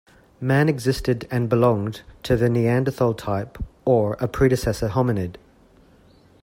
Man existed and belonged to the Neanderthal type, or a predecessor hominid.